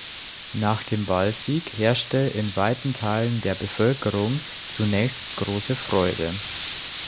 Nach dem Wahlsieg herrschte in weiten Teilen der Bevölkerung zunächst große Freude.